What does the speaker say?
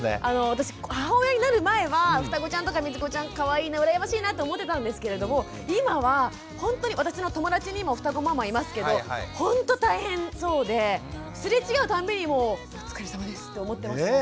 私母親になる前はふたごちゃんとかみつごちゃんかわいいな羨ましいなと思ってたんですけれども今はほんとに私の友達にもふたごママいますけどほんと大変そうですれ違うたんびにもうお疲れさまですって思ってますもん。